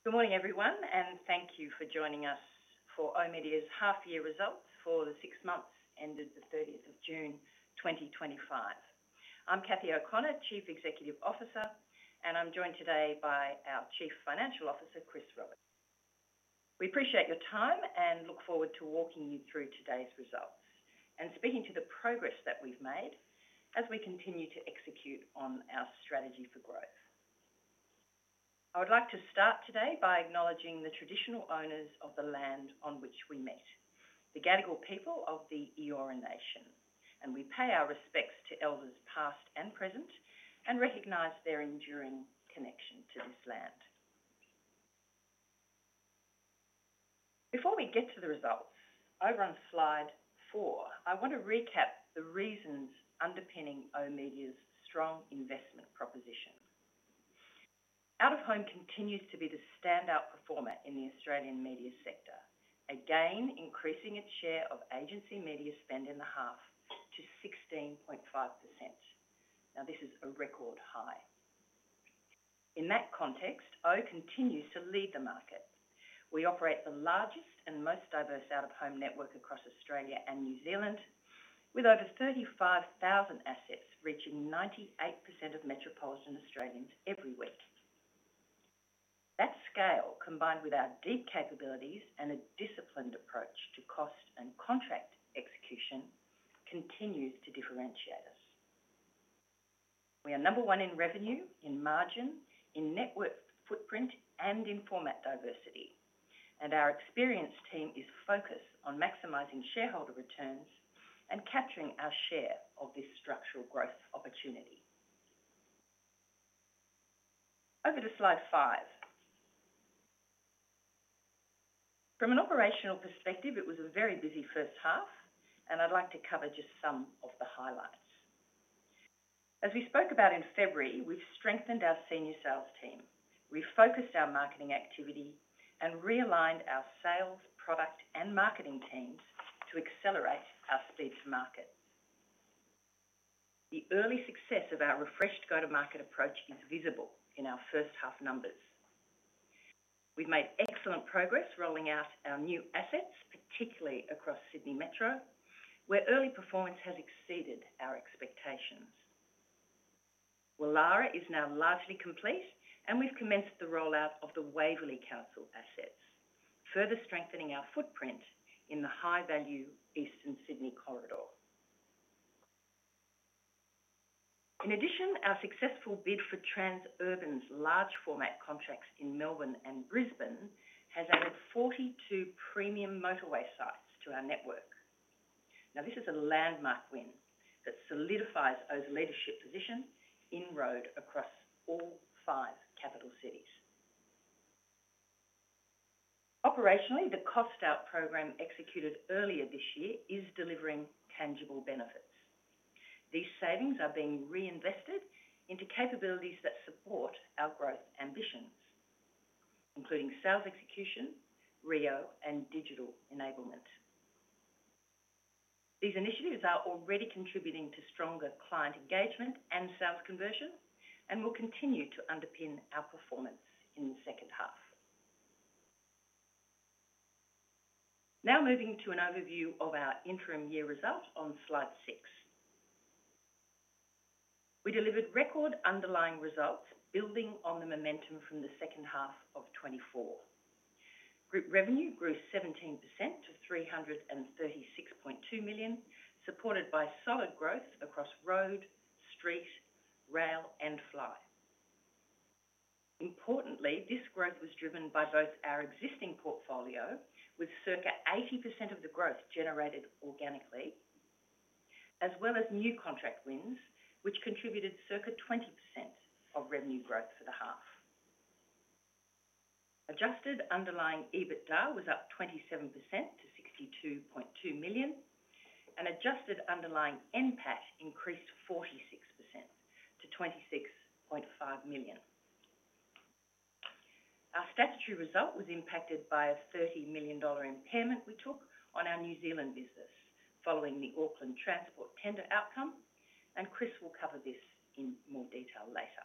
Good morning, everyone, and thank you for joining us for oOh!media's half-year results for the six months ending 30 June 2025. I'm Cathy O'Connor, Chief Executive Officer, and I'm joined today by our Chief Financial Officer, Chris Roberts. We appreciate your time and look forward to walking you through today's results and speaking to the progress that we've made as we continue to execute on our strategy for growth. I would like to start today by acknowledging the traditional owners of the land on which we meet, the Gadigal people of the Eora Nation. We pay our respects to elders past and present and recognize their enduring connection to this land. Before we get to the results, over on slide four, I want to recap the reasons underpinning oOh!media's strong investment proposition. Out-of-home continues to be the standout performer in the Australian media sector, again increasing its share of agency media spend in the half to 16.5%. This is a record high. In that context, oOh! continues to lead the market. We operate the largest and most diverse out-of-home network across Australia and New Zealand, with over 35,000 assets reaching 98% of metropolitan Australians every week. That scale, combined with our deep capabilities and a disciplined approach to cost and contract execution, continues to differentiate us. We are number one in revenue, in margin, in network footprint, and in format diversity. Our experienced team is focused on maximizing shareholder returns and capturing our share of this structural growth opportunity. Over to slide five. From an operational perspective, it was a very busy first half, and I'd like to cover just some of the highlights. As we spoke about in February, we've strengthened our senior sales team, refocused our marketing activity, and realigned our sales, product, and marketing teams to accelerate our speed to market. The early success of our refreshed go-to-market approach is visible in our first half numbers. We've made excellent progress rolling out our new assets, particularly across Sydney Metro, where early performance has exceeded our expectations. Woollahra is now largely complete, and we've commenced the rollout of the Waverley Council assets, further strengthening our footprint in the high-value Eastern Sydney corridor. In addition, our successful bid for Transurban's large-format contracts in Melbourne and Brisbane has added 42 premium motorway sites to our network. Now, this is a landmark win that solidifies oOh!'s leadership position in road across all five capital cities. Operationally, the cost-out program executed earlier this year is delivering tangible benefits. These savings are being reinvested into capabilities that support our growth ambitions, including sales execution, RIO, and digital enablement. These initiatives are already contributing to stronger client engagement and sales conversion and will continue to underpin our performance in the second half. Now, moving to an overview of our interim year results on slide six. We delivered record underlying results, building on the momentum from the second half of 2024. Group revenue grew 17% to $336.2 million, supported by solid growth across road, street, rail, and fly. Importantly, this growth was driven by both our existing portfolio, with circa 80% of the growth generated organically, as well as new contract wins, which contributed circa 20% of revenue growth for the half. Adjusted underlying EBITDA was up 27% to $62.2 million, and adjusted underlying NPAT increased 46% to $26.5 million. Our statutory result was impacted by a $30 million impairment we took on our New Zealand business following the Auckland Transport tender outcome, and Chris will cover this in more detail later.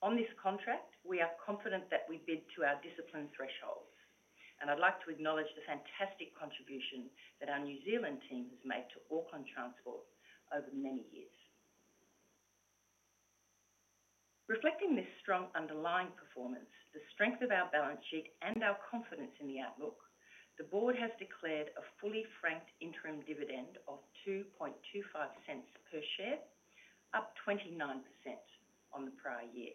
On this contract, we are confident that we bid to our discipline thresholds, and I'd like to acknowledge the fantastic contribution that our New Zealand team has made to Auckland Transport over many years. Reflecting this strong underlying performance, the strength of our balance sheet, and our confidence in the outlook, the Board has declared a fully franked interim dividend of $0.0225 per share, up 29% on the prior year.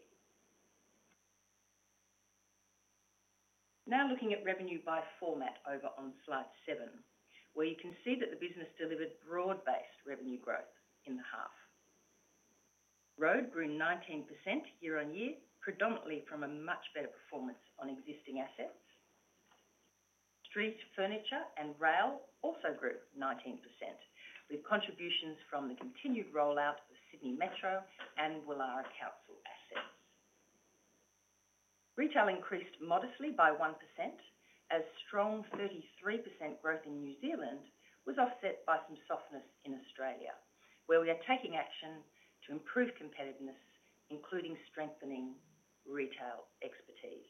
Now, looking at revenue by format over on slide seven, where you can see that the business delivered broad-based revenue growth in the half. Road grew 19% year-on-year, predominantly from a much better performance on existing assets. Street, furniture, and rail also grew 19% with contributions from the continued rollout of Sydney Metro and Woollahra Council assets. Retail increased modestly by 1%, as strong 33% growth in New Zealand was offset by some softness in Australia, where we are taking action to improve competitiveness, including strengthening retail expertise.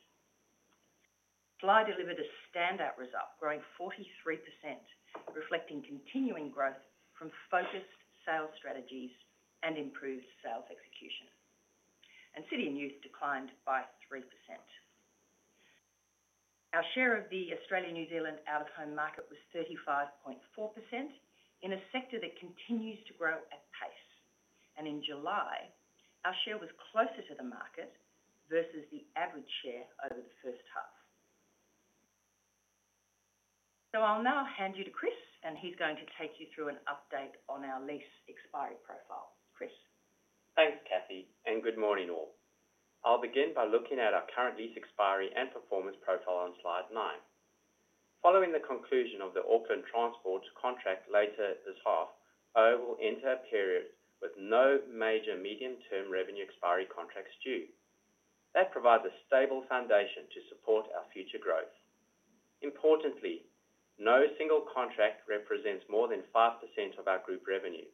Fly delivered a standout result, growing 43%, reflecting continuing growth from focused sales strategies and improved sales execution. City and youth declined by 3%. Our share of the Australian New Zealand out-of-home market was 35.4% in a sector that continues to grow at pace, and in July, our share was closer to the market versus the average share over the first half. I'll now hand you to Chris, and he's going to take you through an update on our lease expiry profile. Chris. Thanks, Cathy, and good morning all. I'll begin by looking at our current lease expiry and performance profile on slide nine. Following the conclusion of the Auckland Transport contract later this half, oOh! will enter a period with no major medium-term revenue expiry contracts due. That provides a stable foundation to support our future growth. Importantly, no single contract represents more than 5% of our group revenue.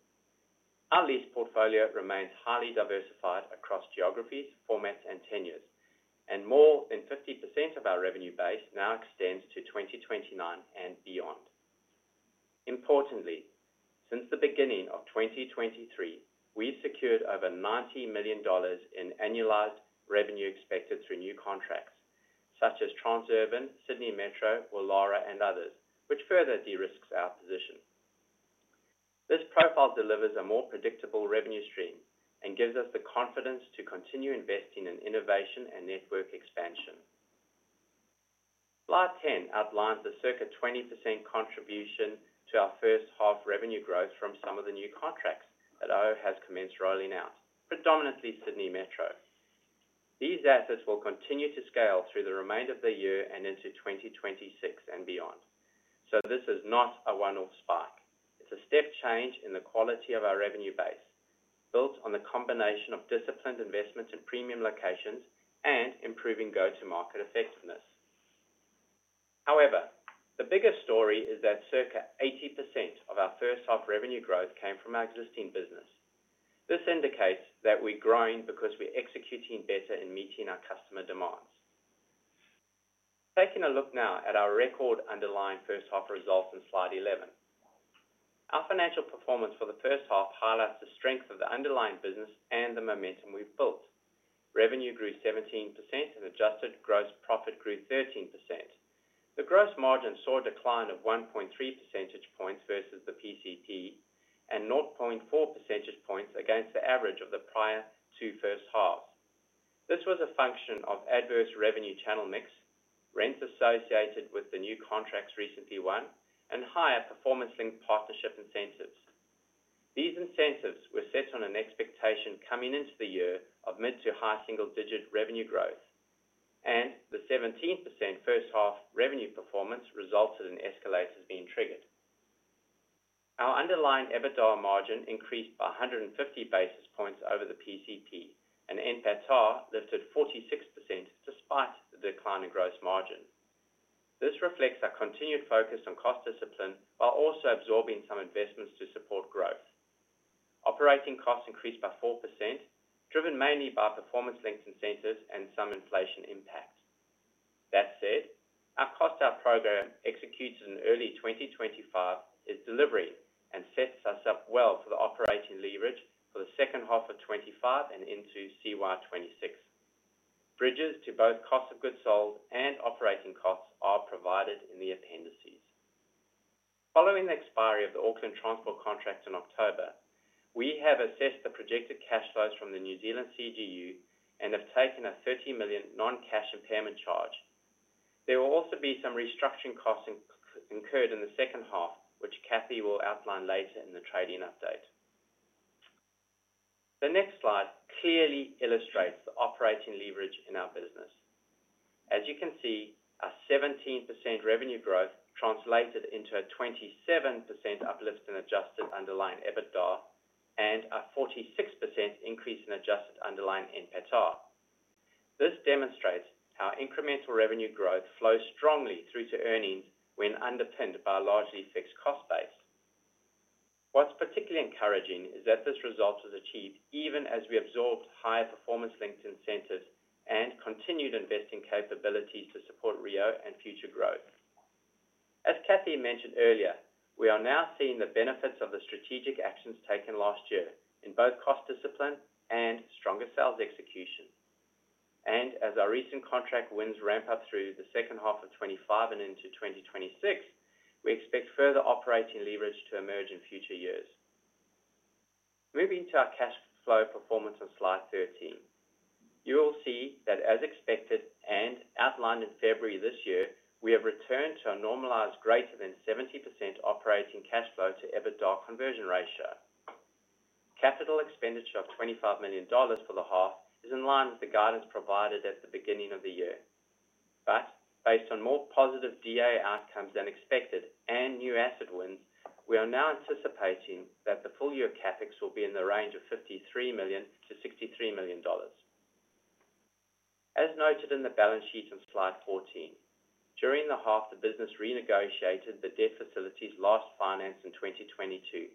Our lease portfolio remains highly diversified across geographies, formats, and tenures, and more than 50% of our revenue base now extends to 2029 and beyond. Importantly, since the beginning of 2023, we've secured over $90 million in annualized revenue expected through new contracts, such as Transurban, Sydney Metro, Woollahra, and others, which further de-risks our position. This profile delivers a more predictable revenue stream and gives us the confidence to continue investing in innovation and network expansion. Slide 10 outlines the circa 20% contribution to our first half revenue growth from some of the new contracts that oOh! has commenced rolling out, predominantly Sydney Metro. These assets will continue to scale through the remainder of the year and into 2026 and beyond. This is not a one-off spike. It's a step change in the quality of our revenue base, built on the combination of disciplined investments in premium locations and improving go-to-market effectiveness. However, the bigger story is that circa 80% of our first half revenue growth came from our existing business. This indicates that we're growing because we're executing better and meeting our customer demands. Taking a look now at our record underlying first half results in slide 11, our financial performance for the first half highlights the strength of the underlying business and the momentum we've built. Revenue grew 17% and adjusted gross profit grew 13%. The gross margin saw a decline of 1.3 percentage points versus the PCP and 0.4 percentage points against the average of the prior two first halves. This was a function of adverse revenue channel mix, rents associated with the new contracts recently won, and higher performance-linked partnership incentives. These incentives were set on an expectation coming into the year of mid to high single-digit revenue growth, and the 17% first half revenue performance resulted in escalators being triggered. Our underlying EBITDA margin increased by 150 basis points over the PCP, and NPAT lifted 46% despite the decline in gross margin. This reflects our continued focus on cost discipline while also absorbing some investments to support growth. Operating costs increased by 4%, driven mainly by performance-linked incentives and some inflation impact. That said, our cost-out program executed in early 2025 is delivering and sets us up well for the operating leverage for the second half of 2025 and into CIWA 2026. Bridges to both cost of goods sold and operating costs are provided in the appendices. Following the expiry of the Auckland Transport contract in October, we have assessed the projected cash flows from the New Zealand CGU and have taken a $30 million non-cash impairment charge. There will also be some restructuring costs incurred in the second half, which Cathy will outline later in the trading update. The next slide clearly illustrates the operating leverage in our business. As you can see, our 17% revenue growth translated into a 27% uplift in adjusted underlying EBITDA and a 46% increase in adjusted underlying NPAT. This demonstrates how incremental revenue growth flows strongly through to earnings when underpinned by largely fixed cost base. What's particularly encouraging is that this result was achieved even as we absorbed higher performance-linked incentives and continued investing capabilities to support RIO and future growth. As Cathy mentioned earlier, we are now seeing the benefits of the strategic actions taken last year in both cost discipline and stronger sales execution. As our recent contract wins ramp up through the second half of 2025 and into 2026, we expect further operating leverage to emerge in future years. Moving to our cash flow performance on slide 13, you will see that as expected and outlined in February this year, we have returned to a normalized greater than 70% operating cash flow to EBITDA conversion ratio. Capital expenditure of $25 million for the half is in line with the guidance provided at the beginning of the year. Based on more positive DA outcomes than expected and new asset wins, we are now anticipating that the full-year CapEx will be in the range of $53 million-$63 million. As noted in the balance sheet on slide 14, during the half, the business renegotiated the debt facility's last finance in 2022.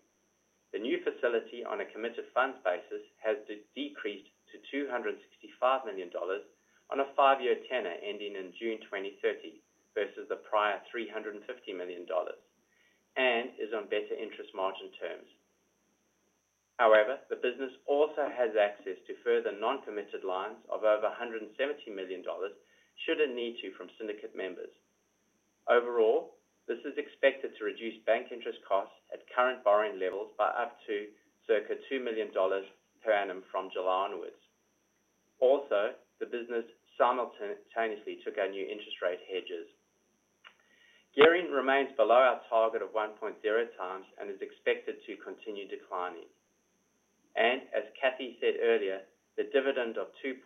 The new facility, on a committed funds basis, has decreased to $265 million on a five-year tenure ending in June 2030 versus the prior $350 million and is on better interest margin terms. However, the business also has access to further non-committed lines of over $170 million should a need to from syndicate members. Overall, this is expected to reduce bank interest costs at current borrowing levels by up to circa $2 million per annum from July onwards. Also, the business simultaneously took out new interest rate hedges. Gearing remains below our target of 1.0x and is expected to continue declining. As Cathy said earlier, the dividend of $0.0225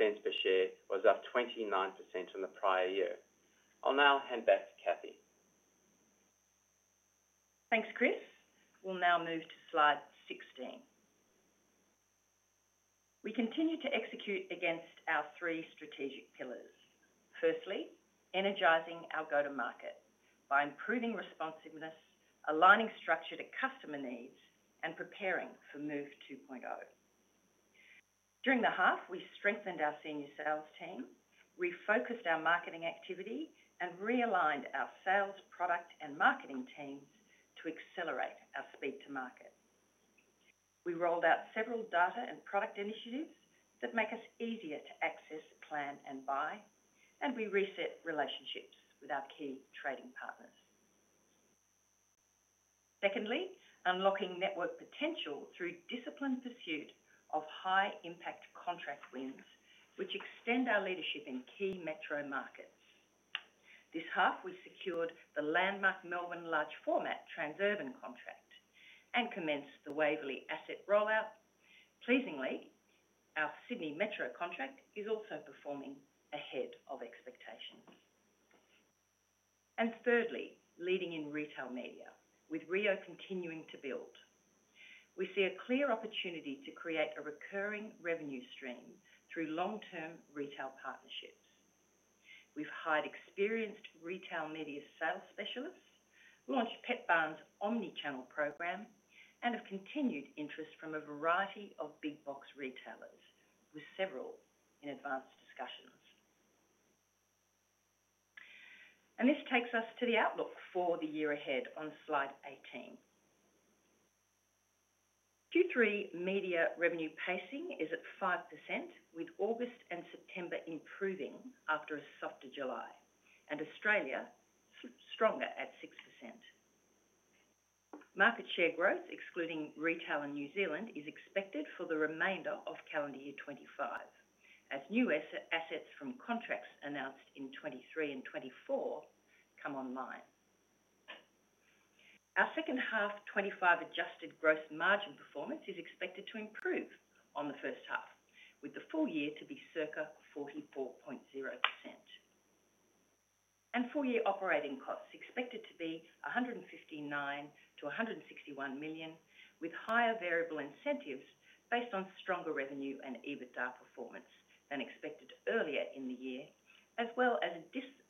per share was up 29% in the prior year. I'll now hand back to Cathy. Thanks, Chris. We'll now move to slide 16. We continue to execute against our three strategic pillars. Firstly, energizing our go-to-market by improving responsiveness, aligning structure to customer needs, and preparing for MOVE 2.0. During the half, we strengthened our senior sales team, refocused our marketing activity, and realigned our sales, product, and marketing teams to accelerate our speed to market. We rolled out several data and product initiatives that make us easier to access, plan, and buy, and we reset relationships with our key trading partners. Secondly, unlocking network potential through disciplined pursuit of high-impact contract wins, which extend our leadership in key metro markets. This half, we secured the landmark Melbourne large format Transurban contract and commenced the Waverley asset rollout. Pleasingly, our Sydney Metro contract is also performing ahead of expectations. Thirdly, leading in retail media with RIO continuing to build, we see a clear opportunity to create a recurring revenue stream through long-term retail partnerships. We've hired experienced retail media sales specialists, launched Petbarn's omnichannel program, and have continued interest from a variety of big box retailers, with several in advanced discussions. This takes us to the outlook for the year ahead on slide 18. Q3 media revenue pacing is at 5%, with August and September improving after a softer July, and Australia is stronger at 6%. Market share growth, excluding retail in New Zealand, is expected for the remainder of calendar year 2025, as new assets from contracts announced in 2023 and 2024 come online. Our second half 2025 adjusted gross margin performance is expected to improve on the first half, with the full year to be circa 44.0%. Full-year operating costs are expected to be $159 million-$161 million, with higher variable incentives based on stronger revenue and EBITDA performance than expected earlier in the year, as well as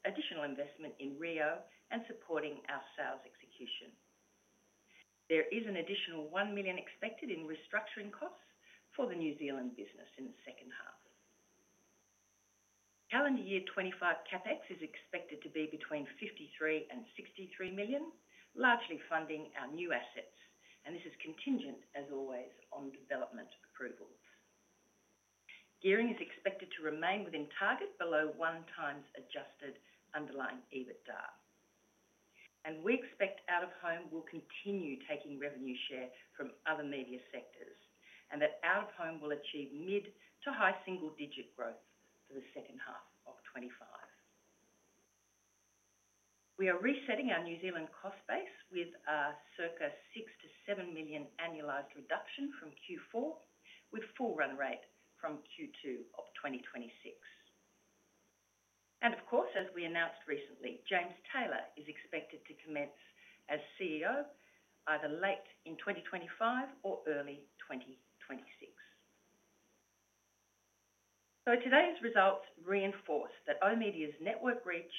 additional investment in RIO and supporting our sales execution. There is an additional $1 million expected in restructuring costs for the New Zealand business in the second half. Calendar year 2025 CapEx is expected to be between $53 million and $63 million, largely funding our new assets, and this is contingent, as always, on development approvals. Gearing is expected to remain within target below 1x adjusted underlying EBITDA. We expect out-of-home will continue taking revenue share from other media sectors and that out-of-home will achieve mid to high single-digit growth for the second half of 2025. We are resetting our New Zealand cost base with a circa $6 million-$7 million annualized reduction from Q4, with full run rate from Q2 of 2026. Of course, as we announced recently, James Taylor is expected to commence as CEO either late in 2025 or early 2026. Today's results reinforce that oOh!media's network reach,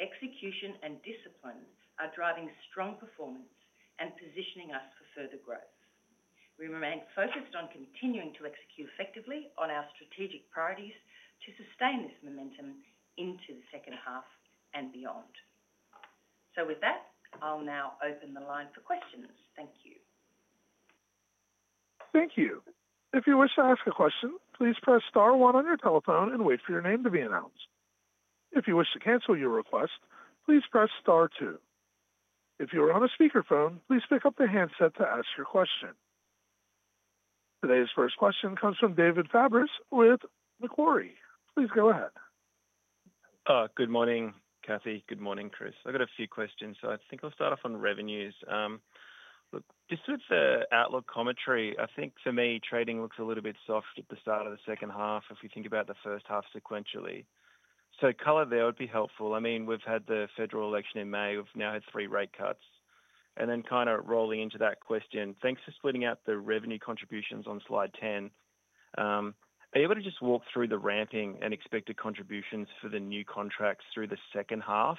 execution, and discipline are driving strong performance and positioning us for further growth. We remain focused on continuing to execute effectively on our strategic priorities to sustain this momentum into the second half and beyond. With that, I'll now open the line for questions. Thank you. Thank you. If you wish to ask a question, please press star one on your telephone and wait for your name to be announced. If you wish to cancel your request, please press star two. If you are on a speakerphone, please pick up the handset to ask your question. Today's first question comes from David Fabris with Macquarie. Please go ahead. Good morning, Cathy. Good morning, Chris. I've got a few questions. I think I'll start off on revenues. Just with the outlook commentary, I think for me, trading looks a little bit soft at the start of the second half if we think about the first half sequentially. Color there would be helpful. I mean, we've had the federal election in May. We've now had three rate cuts. Rolling into that question, thanks for splitting out the revenue contributions on slide 10. Are you able to just walk through the ramping and expected contributions for the new contracts through the second half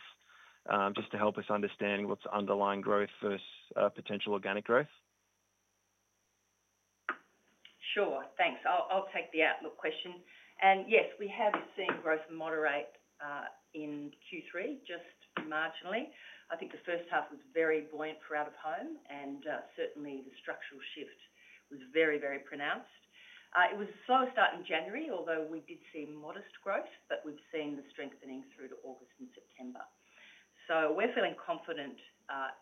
just to help us understand what's underlying growth versus potential organic growth? Sure, thanks. I'll take the outlook question. Yes, we have seen growth moderate in Q3, just marginally. I think the first half was very buoyant for out-of-home, and certainly the structural shift was very, very pronounced. It was a slow start in January, although we did see modest growth, but we've seen the strengthening through to August and September. We're feeling confident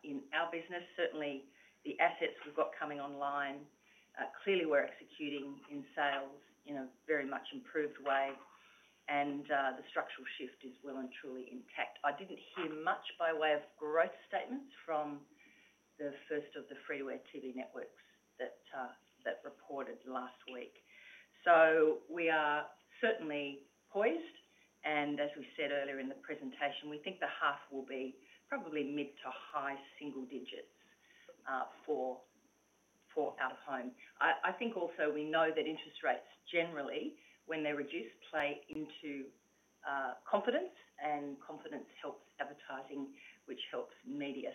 in our business. Certainly, the assets we've got coming online, clearly we're executing in sales in a very much improved way, and the structural shift is well and truly intact. I didn't hear much by way of growth statements from the first of the free-to-air TV networks that reported last week. We are certainly poised, and as we said earlier in the presentation, we think the half will be probably mid to high single digits for out-of-home. I think also we know that interest rates generally, when they're reduced, play into confidence, and confidence helps advertising, which helps media.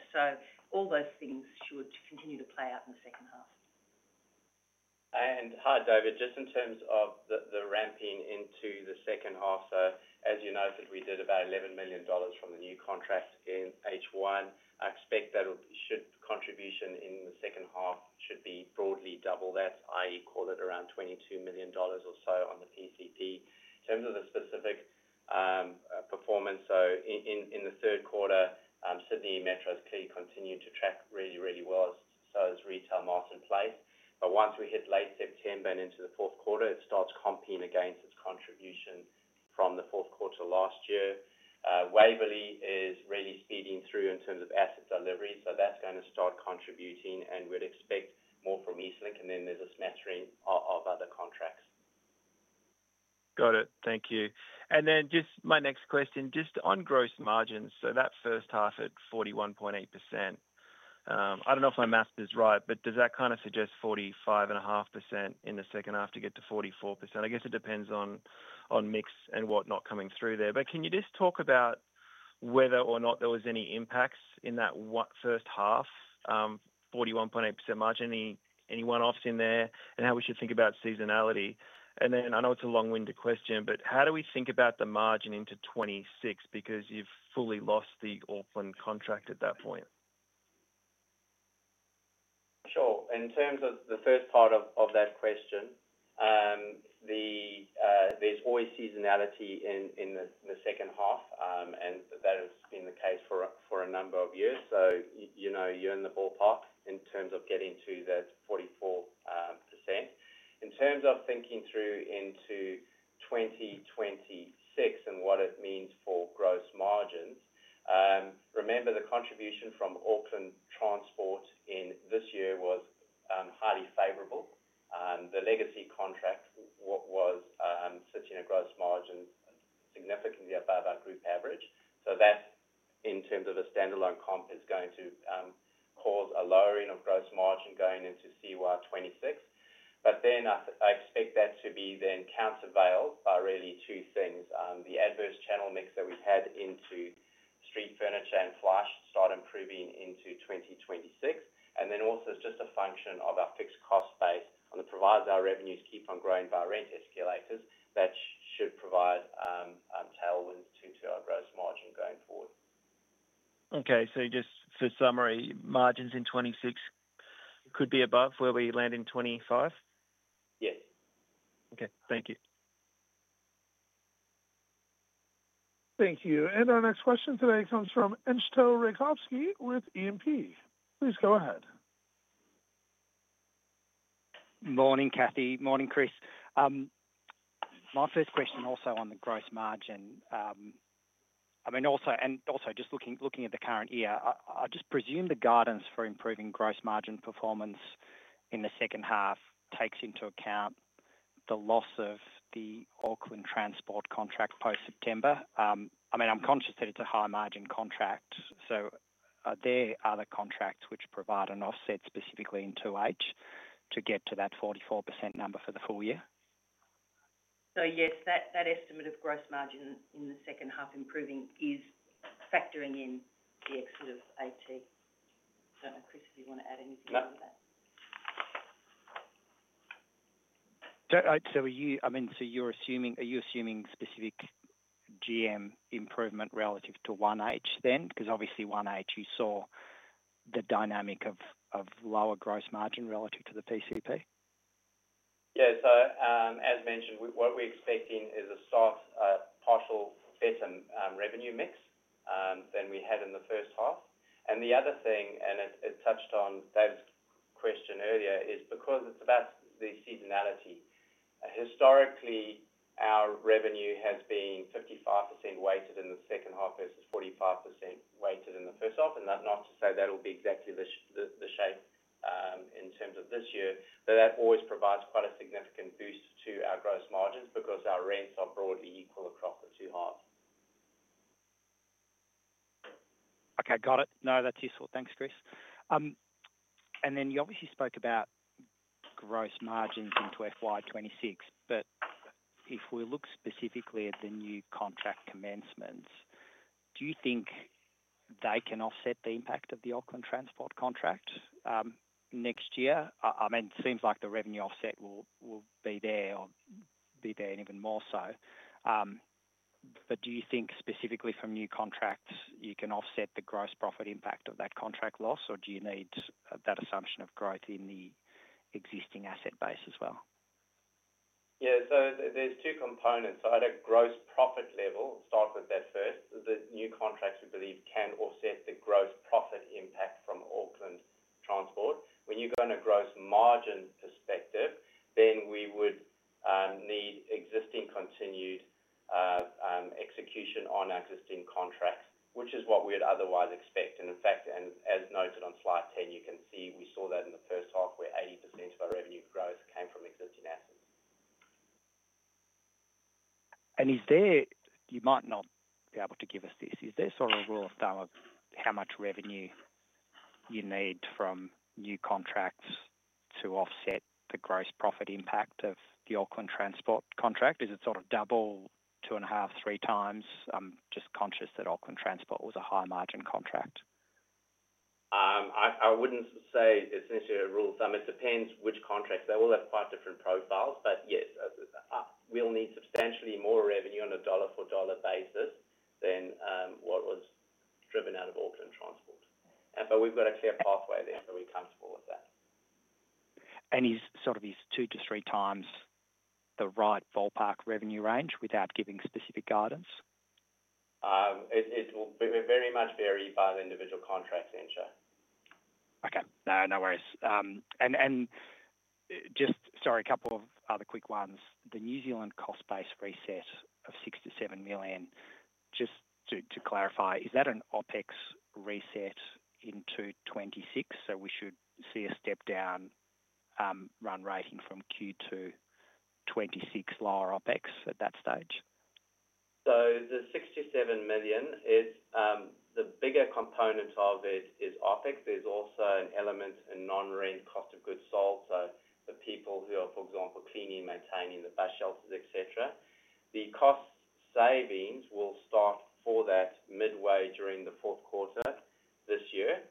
All those things should continue to play out in the second half. Hi, David. Just in terms of the ramping into the second half, as you know, we did about $11 million from the new contracts in H1. I expect that contribution in the second half should be broadly double that, i.e., call it around $22 million or so on the PCP. In terms of the specific performance, in the third quarter, Sydney Metro's key continued to track really, really well, so is retail marketplace. Once we hit late September and into the fourth quarter, it starts comping against its contribution from the fourth quarter last year. Waverley is really speeding through in terms of asset delivery, so that's going to start contributing, and we'd expect more from Eastlink, and then there's a smattering of other contracts. Thank you. Then just my next question, just on gross margins, so that first half at 41.8%. I don't know if my math is right, but does that kind of suggest 45.5% in the second half to get to 44%? I guess it depends on mix and whatnot coming through there. Can you just talk about whether or not there were any impacts in that first half, 41.8% margin? Any one-offs in there and how we should think about seasonality? I know it's a long-winded question, but how do we think about the margin into 2026 because you've fully lost the Auckland contract at that point? Sure. In terms of the first part of that question, there's always seasonality in the second half, and that has been the case for a number of years. You're in the ballpark in terms of getting to that 44%. In terms of thinking through into 2026 and what it means for gross margins, remember the contribution from Auckland Transport in this year was highly favorable. The legacy contract was sitting at gross margins significantly above our group average. That in terms of a standalone comp is going to cause a lowering of gross margin going into CIWA 2026. I expect that to be then countervailed by really two things. The adverse channel mix that we've had into street furniture and fly start improving into 2026, and then also it's just a function of our fixed cost base and provides our revenues keep on growing by rent escalators. That should provide tailwinds to our gross margin going forward. Okay. Just for summary, margins in 2026 could be above where we land in 2025? Yes. Okay. Thank you. Thank you. Our next question today comes from Entcho Raykovski with E&P. Please go ahead. Morning, Cathy. Morning, Chris. My first question also on the gross margin. I mean, also just looking at the current year, I just presume the guidance for improving gross margin performance in the second half takes into account the loss of the Auckland Transport contract post-September. I'm conscious that it's a high-margin contract, so are there other contracts which provide an offset specifically in 2H to get to that 44% number for the full year? Yes, that estimate of gross margin in the second half improving is factoring in the exit of [HH]. Chris, if you want to add anything to that. Are you assuming specific GM improvement relative to 1H then? Because obviously 1H, you saw the dynamic of lower gross margin relative to the PCP. Yes. As mentioned, what we're expecting is a soft, partial for better revenue mix than we had in the first half. The other thing, and it touched on Dave's question earlier, is because it's about the seasonality. Historically, our revenue has been 55% weighted in the second half versus 45% weighted in the first half. Not to say that will be exactly the shape in terms of this year, but that always provides quite a significant boost to our gross margins because our rents are broadly equal across the two halves. Okay, got it. No, that's useful. Thanks, Chris. You obviously spoke about gross margins in [inaudible] 2026, but if we look specifically at the new contract commencements, do you think they can offset the impact of the Auckland Transport contract next year? I mean, it seems like the revenue offset will be there and even more so. Do you think specifically from new contracts you can offset the gross profit impact of that contract loss, or do you need that assumption of growth in the existing asset base as well? Yes, there's two components. At a gross profit level, start with that first. The new contracts we believe can offset the gross profit impact from Auckland Transport. When you go in a gross margin perspective, then we would need existing continued execution on existing contracts, which is what we'd otherwise expect. In fact, as noted on slide 10, you can see we saw that in the first half where 80% of our revenue growth came from existing assets. You might not be able to give us this. Is there a rule of thumb of how much revenue you need from new contracts to offset the gross profit impact of the Auckland Transport contract? Is it sort of double, 2.5x, 3x? I'm just conscious that Auckland Transport was a high-margin contract. I wouldn't say it's an issue of rule of thumb. It depends which contracts. They will have quite different profiles, but yes, we'll need substantially more revenue on a dollar-for-dollar basis than what was driven out of Auckland Transport. We've got a clear pathway there that we can support that. Is sort of these 2x-3x the right ballpark revenue range, without giving specific guidance? It will very much vary by the individual contract center. Okay. No worries. Sorry, a couple of other quick ones. The New Zealand cost-based reset of $67 million, just to clarify, is that an OpEx reset into 2026? We should see a step-down run rate from Q2 2026, lower OpEx at that stage? The $67 million is the bigger component of it is OpEx. There's also an element in non-rent cost of goods sold to the people who are, for example, cleaning, maintaining the bus shelters, etc. The cost savings will start for that midway during the fourth quarter this year.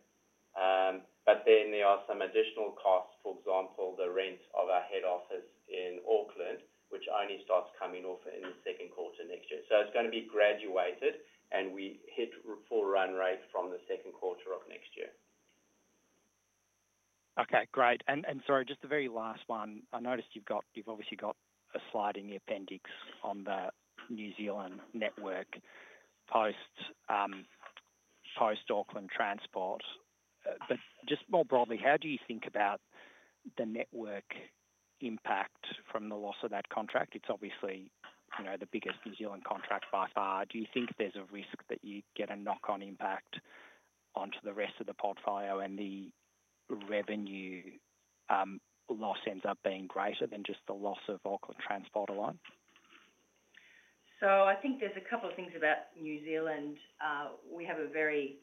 There are some additional costs, for example, the rent of our head office in Auckland, which only starts coming off in the second quarter next year. It's going to be graduated, and we hit full run rate from the second quarter of next year. Okay, great. Sorry, just the very last one. I noticed you've obviously got a slide in the appendix on the New Zealand network post-Auckland Transport. More broadly, how do you think about the network impact from the loss of that contract? It's obviously the biggest New Zealand contract by far. Do you think there's a risk that you get a knock-on impact onto the rest of the portfolio and the revenue loss ends up being greater than just the loss of Auckland Transport alone? I think there's a couple of things about New Zealand. We have a very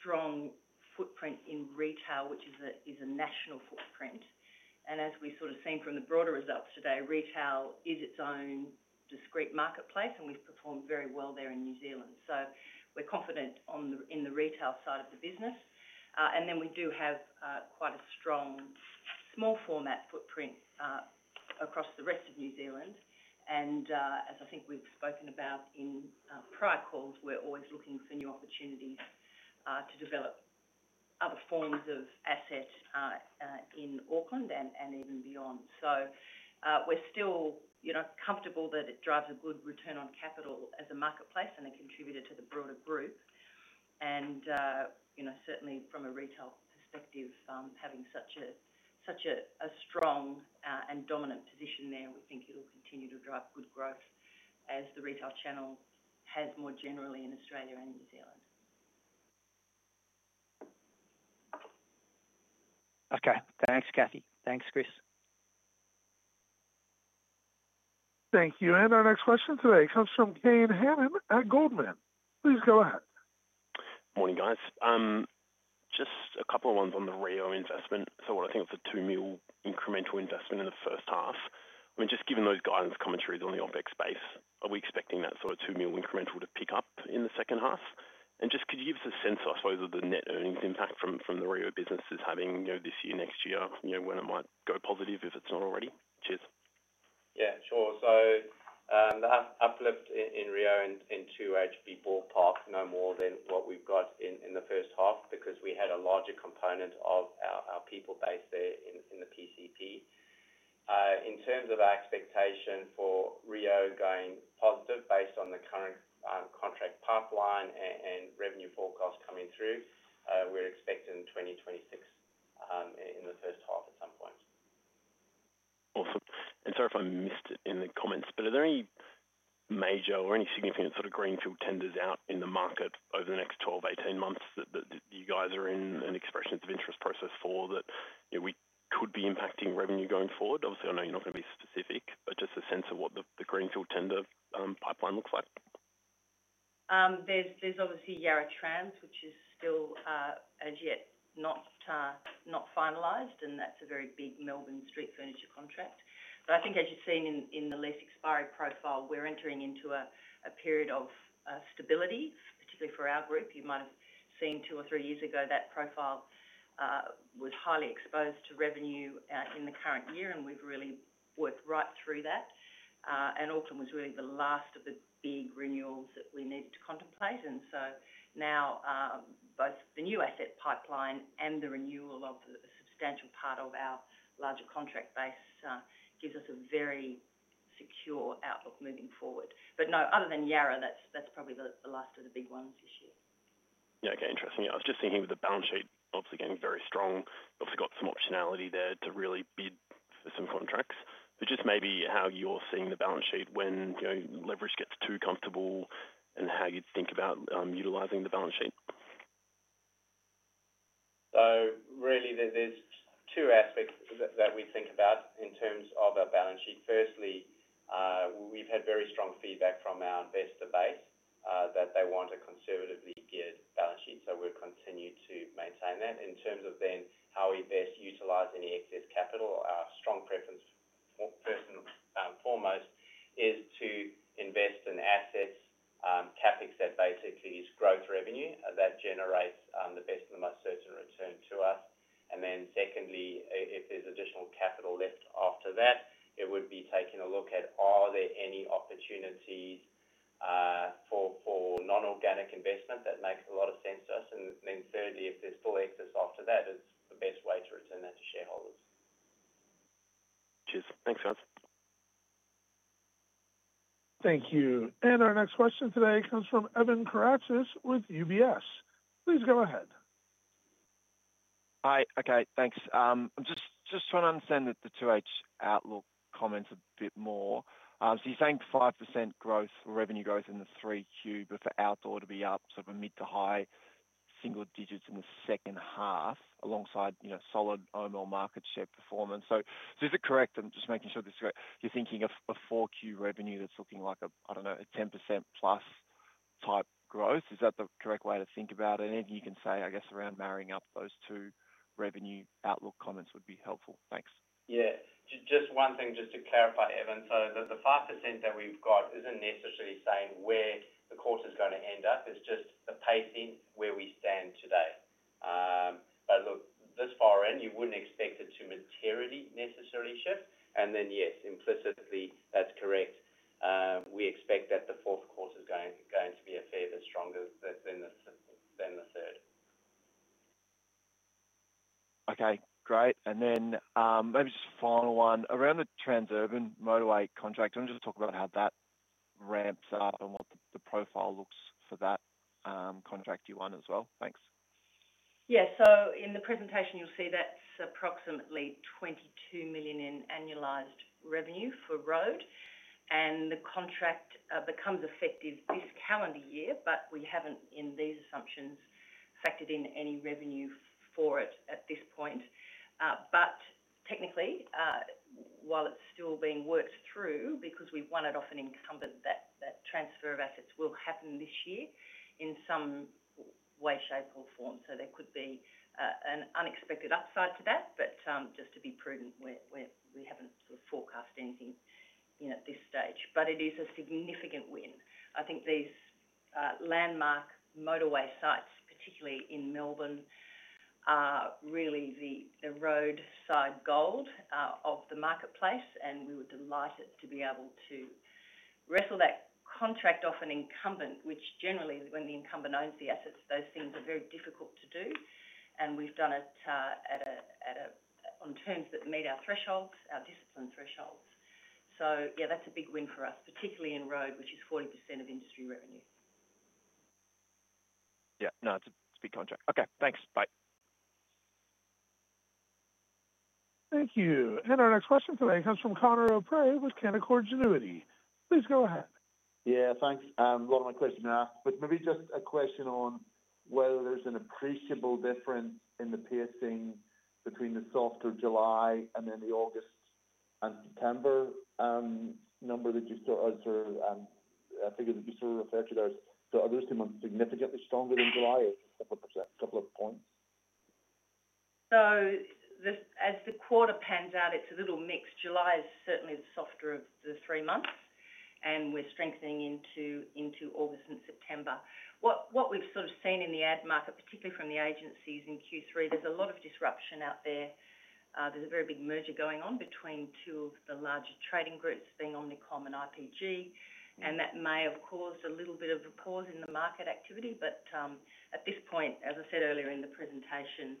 strong footprint in retail, which is a national footprint. As we've seen from the broader results today, retail is its own discrete marketplace, and we've performed very well there in New Zealand. We're confident in the retail side of the business. We do have quite a strong small-format footprint across the rest of New Zealand. As I think we've spoken about in prior calls, we're always looking for new opportunities to develop other forms of assets in Auckland and even beyond. We're still comfortable that it drives a good return on capital as a marketplace and a contributor to the broader group. Certainly, from a retail perspective, having such a strong and dominant position there, we think it'll continue to drive good growth as the retail channel has more generally in Australia and New Zealand. Okay, thanks, Cathy. Thanks, Chris. Thank you. Our next question today comes from [inaudible] at Goldman. Please go ahead. Morning, guys. Just a couple of ones on the RIO investment. When I think of the $2 million incremental investment in the first half, I mean, just given those guidance commentaries on the OpEx space, are we expecting that sort of $2 million incremental to pick up in the second half? Could you give us a sense, I suppose, of the net earnings impact from the RIO businesses having this year, next year, when it might go positive if it's not already? Cheers. Yes, sure. The uplift in RIO in 2H would be ballpark, no more than what we've got in the first half because we had a larger component of our people based there in the PCP. In terms of our expectation for RIO going positive based on the current contract pipeline and revenue forecast coming through, we're expecting 2026 in the first half at some point. Awesome. Sorry if I missed it in the comments, but are there any major or any significant sort of greenfield tenders out in the market over the next 12-18 months that you guys are in an expression of interest process for that we could be impacting revenue going forward? Obviously, I know you're not going to be specific, but just a sense of what the greenfield tender pipeline looks like. There's obviously Yarra Trams, which is still as yet not finalized, and that's a very big Melbourne street furniture contract. I think as you've seen in the lease expiry profile, we're entering into a period of stability, particularly for our group. You might have seen two or three years ago that profile was highly exposed to revenue in the current year, and we've really worked right through that. Auckland was really the last of the big renewals that we needed to contemplate. Now, both the new asset pipeline and the renewal of a substantial part of our larger contract base gives us a very secure outlook moving forward. No, other than Yarra, that's probably the last of the big ones this year. Okay, interesting. I was just thinking with the balance sheet, obviously getting very strong, obviously got some optionality there to really bid for some contracts. Just maybe how you're seeing the balance sheet when leverage gets too comfortable and how you'd think about utilizing the balance sheet. Really, there's two aspects that we think about in terms of our balance sheet. Firstly, we've had very strong feedback from our investor base that they want a conservatively geared balance sheet, so we'll continue to maintain that. In terms of then how we best utilize any excess capital, our strong preference, more personal, foremost, is to invest in assets, CapEx that basically is growth revenue that generates the best and the most certain return to us. Secondly, if there's additional capital left after that, it would be taking a look at are there any opportunities for non-organic investment that make a lot of sense to us? Thirdly, if there's full excess after that, it's the best way to return that to shareholders. Cheers. Thanks, guys. Thank you. Our next question today comes from Evan Karatzas with UBS. Please go ahead. Hi. Okay, thanks. I'm just trying to understand the 2H outlook comments a bit more. You're saying 5% revenue growth in the three Qs, but for outdoor to be up sort of mid to high single digits in the second half alongside solid oOh! market share performance. Is it correct? I'm just making sure this is correct. You're thinking of a 4Q revenue that's looking like a 10%+ type growth. Is that the correct way to think about it? Anything you can say, I guess, around marrying up those two revenue outlook comments would be helpful. Thanks. Yes. Just one thing to clarify, Evan. The 5% that we've got isn't necessarily saying where the quarter's going to end up. It's just the pacing where we stand today. This far in, you wouldn't expect it to materially necessarily shift. Yes, implicitly, that's correct. We expect that the fourth quarter's going to be a fair bit stronger than the third. Okay, great. Maybe just a final one around the Transurban motorway contract. I want to just talk about how that ramps up and what the profile looks for that contract you want as well. Thanks. Yes. In the presentation, you'll see that's approximately $22 million in annualized revenue for road, and the contract becomes effective this calendar year. We haven't, in these assumptions, factored in any revenue for it at this point. Technically, while it's still being worked through because we won it off an incumbent, that transfer of assets will happen this year in some way, shape, or form. There could be an unexpected upside to that. Just to be prudent, we haven't sort of forecast anything at this stage. It is a significant win. I think these landmark motorway sites, particularly in Melbourne, are really the roadside gold of the marketplace, and we were delighted to be able to wrestle that contract off an incumbent, which generally, when the incumbent owns the assets, those things are very difficult to do. We've done it on terms that meet our thresholds, our discipline thresholds. Yes, that's a big win for us, particularly in road, which is 40% of industry revenue. Yes, no, it's a big contract. Okay, thanks. Bye. Thank you. Our next question today comes from Conor O'Prey with Canaccord Genuity. Please go ahead. Yes, thanks. I'm logging my question now. Maybe just a question on whether there's an appreciable difference in the pacing between the softer July and then the August and September number that you sort of, I figured that you sort of referred to there. Are those two months significantly stronger than July? A couple of points. As the quarter pans out, it's a little mixed. July is certainly the softer of the three months, and we're strengthening into August and September. What we've sort of seen in the ad market, particularly from the agencies in Q3, there's a lot of disruption out there. There's a very big merger going on between two of the larger trading groups, being Omnicom and IPG, and that may have caused a little bit of a pause in the market activity. At this point, as I said earlier in the presentation,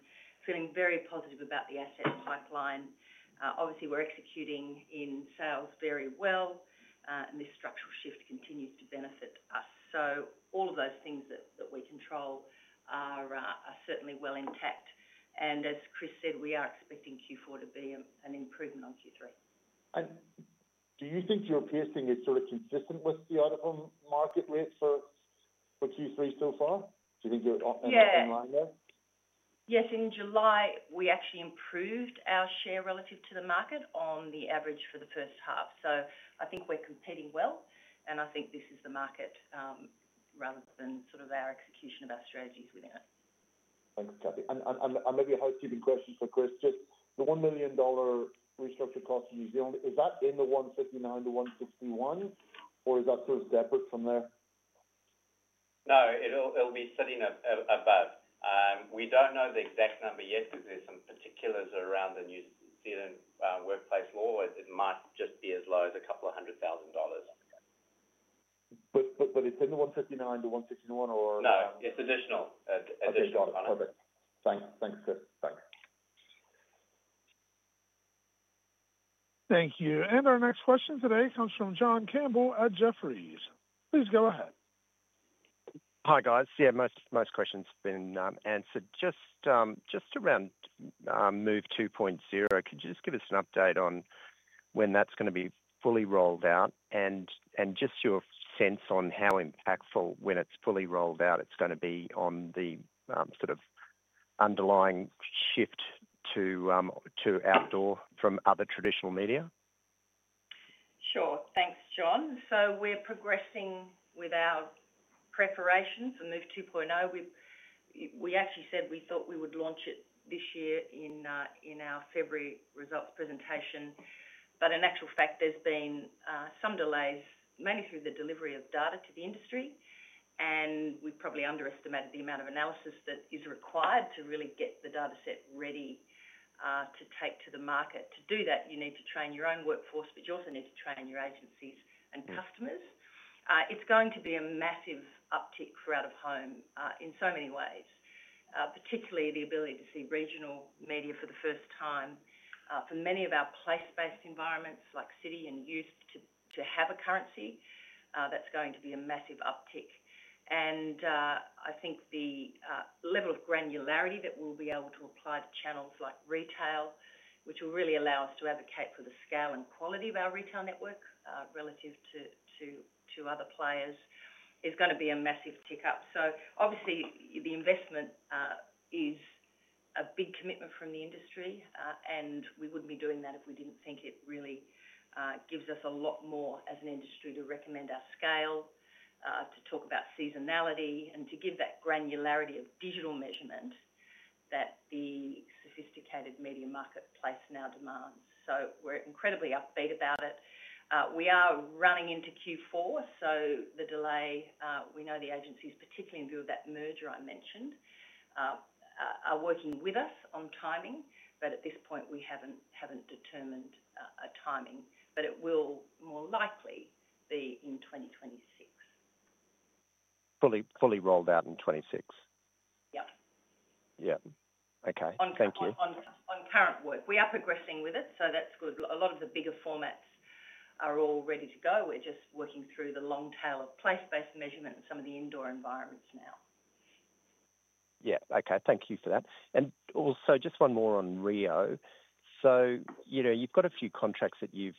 feeling very positive about the asset pipeline. Obviously, we're executing in sales very well, and this structural shift continues to benefit us. All of those things that we control are certainly well intact. As Chris said, we are expecting Q4 to be an improvement on Q3. Do you think your pacing is sort of consistent with the out-of-home market rates for Q3 so far? Do you think you're on that same line there? Yes, in July, we actually improved our share relative to the market on the average for the first half. I think we're competing well, and I think this is the market rather than sort of our execution of our strategies within it. Thanks, Cathy. Maybe a hypothetical question for Chris. Just the $1 million restructure cost, is that in the $159 million-$161 million, or is that sort of separate from there? No, it'll be sitting above. We don't know the exact number yet because there's some particulars around the New Zealand workplace law. It might just be as low as a couple of hundred thousand dollars. Is it in the $159 million-$161 million, or? No, it's additional. Additional. Okay, perfect. Thanks, Chris. Thanks. Thank you. Our next question today comes from John Campbell at Jefferies. Please go ahead. Hi, guys. Yes, most questions have been answered. Just around MOVE 2.0, could you just give us an update on when that's going to be fully rolled out, and just your sense on how impactful, when it's fully rolled out, it's going to be on the sort of underlying shift to outdoor from other traditional media? Sure. Thanks, John. We're progressing with our preparations for MOVE 2.0. We actually said we thought we would launch it this year in our February results presentation, but in actual fact, there's been some delays, mainly through the delivery of data to the industry. We probably underestimated the amount of analysis that is required to really get the dataset ready to take to the market. To do that, you need to train your own workforce, but you also need to train your agencies and customers. It's going to be a massive uptick for out-of-home in so many ways, particularly the ability to see regional media for the first time. For many of our place-based environments like city and youth to have a currency, that's going to be a massive uptick. I think the level of granularity that we'll be able to apply to channels like retail, which will really allow us to advocate for the scale and quality of our retail network relative to other players, is going to be a massive tick up. Obviously, the investment is a big commitment from the industry, and we wouldn't be doing that if we didn't think it really gives us a lot more as an industry to recommend our scale, to talk about seasonality, and to give that granularity of digital measurement that the sophisticated media marketplace now demands. We're incredibly upbeat about it. We are running into Q4, so the delay, we know the agencies, particularly in view of that merger I mentioned, are working with us on timing, but at this point, we haven't determined a timing, but it will more likely be in 2026. Fully rolled out in 2026? Yes. Yes, okay, thank you. On current work, we are progressing with it, so that's good. A lot of the bigger formats are all ready to go. We're just working through the long tail of place-based measurement and some of the indoor environments now. Yes. Okay, thank you for that. Also, just one more on RIO. You've got a few contracts that you've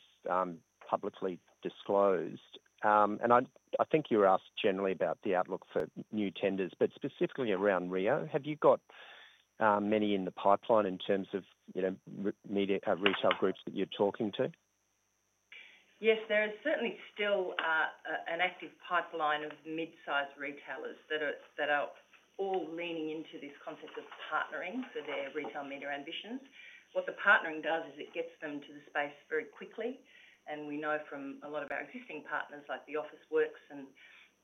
publicly disclosed, and I think you were asked generally about the outlook for new tenders, but specifically around RIO, have you got many in the pipeline in terms of media retail groups that you're talking to? Yes, there is certainly still an active pipeline of mid-sized retailers that are all leaning into this concept of partnering for their retail media ambitions. What the partnering does is it gets them to the space very quickly, and we know from a lot of our existing partners like the Officeworks and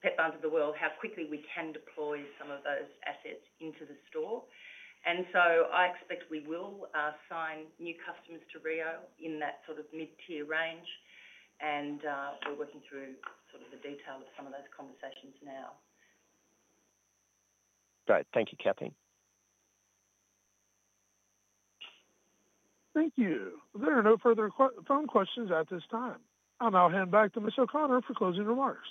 Petbarns of the world how quickly we can deploy some of those assets into the store. I expect we will sign new customers to RIO in that sort of mid-tier range, and we're working through the detail of some of those conversations now. Great. Thank you, Cathy. Thank you. There are no further phone questions at this time, and I'll hand back to Ms. O'Connor for closing remarks.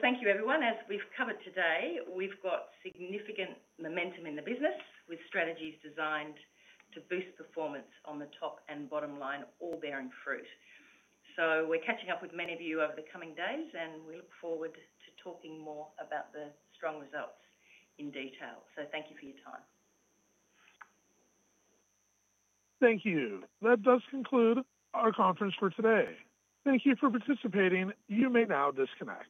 Thank you, everyone. As we've covered today, we've got significant momentum in the business with strategies designed to boost performance on the top and bottom line, all bearing fruit. We're catching up with many of you over the coming days, and we look forward to talking more about the strong results in detail. Thank you for your time. Thank you. That does conclude our conference for today. Thank you for participating. You may now disconnect.